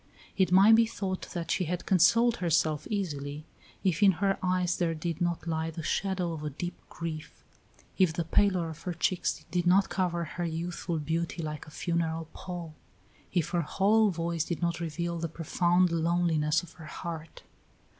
It might be thought that she had consoled herself easily, if in her eyes there did not lie the shadow of a deep grief, if the pallor of her cheeks did not cover her youthful beauty like a funeral pall, if her hollow voice did not reveal the profound loneliness of her heart.